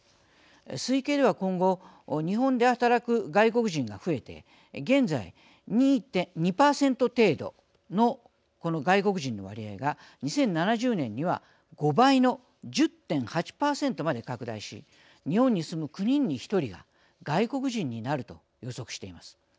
推計では、今後日本で働く外国人が増えて現在２％程度のこの外国人の割合が２０７０年には５倍の１０．８％まで拡大し日本に住む９人に１人が外国人になると予測しています。